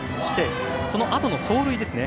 そのあとの走塁ですね。